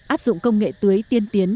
áp dụng công nghệ tưới tiên tiến